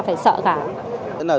phải sợ cả